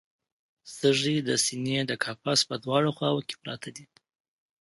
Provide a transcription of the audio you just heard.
سږي د سینې د قفس په دواړو خواوو کې پراته دي